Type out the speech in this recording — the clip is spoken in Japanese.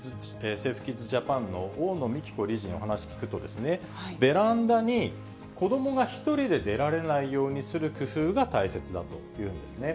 ＳａｆｅＫｉｄｓＪａｐａｎの大野美喜子理事にお話聞くと、ベランダに子どもが１人で出られないようにする工夫が大切だというんですね。